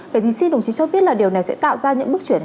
vậy thì xin đồng chí cho biết là điều này sẽ tạo ra những bước chuyển